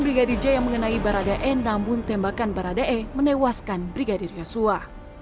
sejak yang mengenai barada eliezer tembakan barada eliezer menewaskan brigadir yoso hota